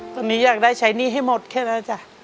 ตอนนี้อยากได้ใช้หนี้ให้หมดแค่นั้นจ้ะ